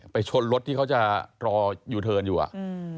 ชนรถที่เขาจะรอยูเทิร์นอยู่อ่ะอืม